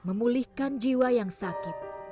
memulihkan jiwa yang sakit